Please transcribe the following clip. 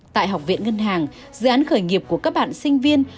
tại học viện ngân hàng dự án khởi nghiệp của các bạn sinh viên